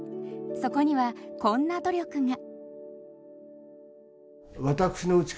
そこにはこんな努力が。